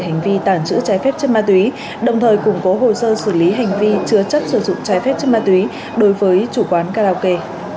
hành vi tàng trữ trái phép chất ma túy đồng thời củng cố hồ sơ xử lý hành vi chứa chất sử dụng trái phép chất ma túy đối với chủ quán karaoke